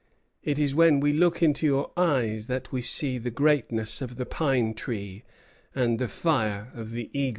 It is when we look into your eyes that we see the greatness of the pine tree and the fire of the eagle."